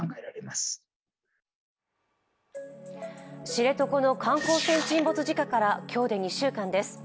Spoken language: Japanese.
知床の観光船沈没事故から今日で２週間です。